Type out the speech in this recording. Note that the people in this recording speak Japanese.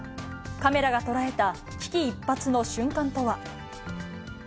カメラが捉えた危機一髪の瞬間とは。